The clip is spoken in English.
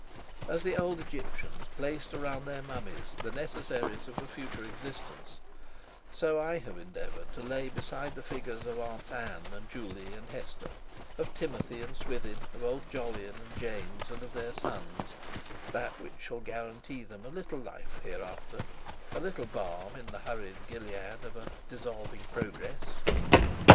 As the old Egyptians placed around their mummies the necessaries of a future existence, so I have endeavoured to lay beside the figures of Aunts Ann and Juley and Hester, of Timothy and Swithin, of Old Jolyon and James, and of their sons, that which shall guarantee them a little life here after, a little balm in the hurried Gilead of a dissolving "Progress."